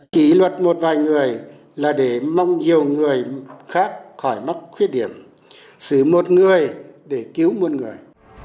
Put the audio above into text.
kỷ luật một vài người là để mong nhiều người khác khỏi mắc khuyết điểm xử một người để cứu muôn người